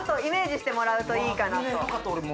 イメージしてもらうといいかなと。